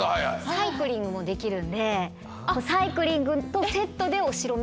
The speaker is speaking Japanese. サイクリングもできるんでサイクリングとセットでお城巡りとかも。